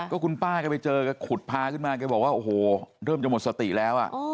ก็คุณป้าแกไปเจอแกขุดพาขึ้นมาแกบอกว่าโอ้โหเริ่มจะหมดสติแล้ว